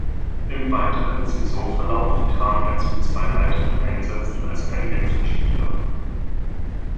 Im weiteren Saisonverlauf kam er zu zwei weiteren Einsätzen als Einwechselspieler.